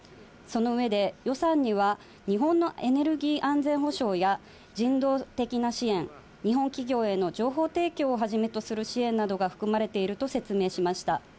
その上で、予算には日本のエネルギー安全保障や人道的な支援、日本企業への情報提供をはじめとする支援などが含まれていると説明しました。